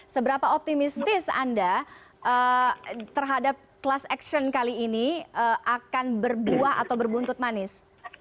seberapa optimistis anda terhadap class action kali ini akan berbuah atau berbuntut manis